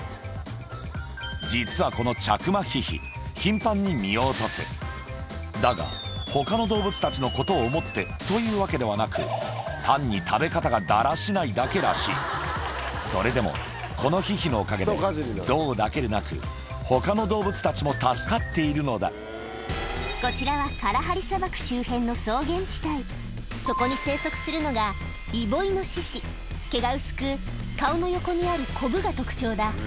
実はこのチャクマヒヒだが他の動物たちのことを思ってというわけではなく単に食べ方がだらしないだけらしいそれでもこのヒヒのおかげでゾウだけでなく他の動物たちも助かっているのだこちらはカラハリ砂漠周辺のそこに生息するのが毛が薄く顔の横にあるコブが特徴だ